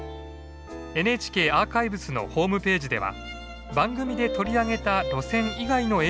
ＮＨＫアーカイブスのホームページでは番組で取り上げた路線以外の映像もご覧頂けます。